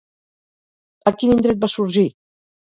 A quin indret va sorgir?